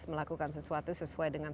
melakukan sesuatu sesuai dengan